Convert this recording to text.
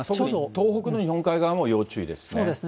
東北の日本海側も要注意ですね。